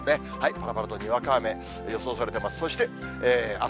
ぱらぱらとにわか雨、予想されています。